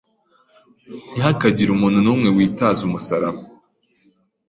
Ntihakagire umuntu n’umwe witaza umusaraba.